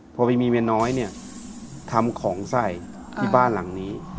พอไปมีเมียน้อยเนี่ยทำของใส่ที่บ้านหลังนี้